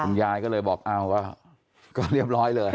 ยายก็เลยบอกอ้าวก็เรียบร้อยเลย